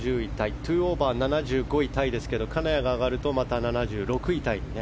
２オーバー、７５位タイですが金谷が上がるとまた７６位タイに。